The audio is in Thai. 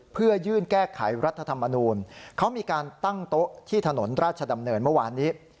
เพื่อยื่นแก้ไขรัฐธรรมนูลเขามีการตั้งโต๊ะที่ถนนราชดำเนินเมื่อวานนี้